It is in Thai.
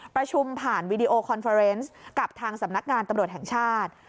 ประชุมผ่านวีดีโอคอนเฟอร์เนสกับทางสำนักงานตำรวจแห่งชาติ